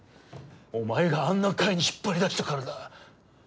お前があんな会に引っ張り出したからだ。